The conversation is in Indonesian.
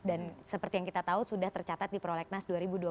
dan seperti yang kita tahu sudah tercatat di prolegnas dua ribu dua puluh